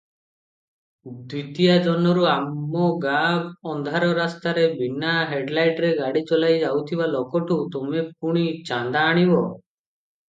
ଦ୍ଵିତୀୟା ଜହ୍ନରୁ ଆମ ଗାଁ ଅନ୍ଧାର ରାସ୍ତାରେ ବିନା ହେଡଲାଇଟରେ ଗାଡ଼ି ଚଲାଇ ଯାଉଥିବା ଲୋକଠୁ ତମେ ପୁଣି ଚାନ୍ଦା ଆଣିବ?